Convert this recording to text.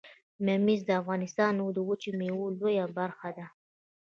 ممیز د افغانستان د وچې میوې لویه برخه ده